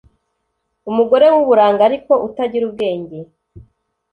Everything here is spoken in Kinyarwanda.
Umugore w’uburanga ariko utagira ubwenge